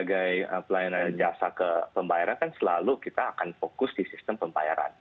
sebagai pelayanan jasa ke pembayaran kan selalu kita akan fokus di sistem pembayaran